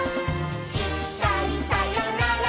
「いっかいさよなら